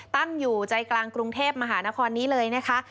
ตั้งอยู่ใจกลางกรุงเทพมหานครนี้เลยนะคะ